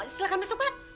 silahkan masuk pak